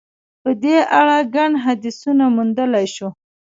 په دې اړه ګڼ حدیثونه موندلای شو.